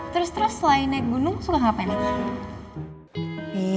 terus terus selain naik gunung suka ngapain